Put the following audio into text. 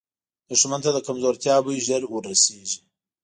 دښمن ته د کمزورتیا بوی ژر وررسي